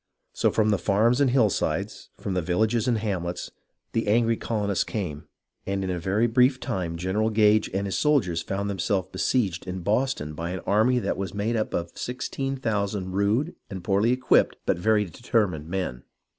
So from the farms and hillsides, from the villages and hamlets, the angry colonists came, and in a very brief time General Gage and his soldiers found themselves besieged in Boston by an army that was made up of 16,000 rude and poorly equipped, but very determined men.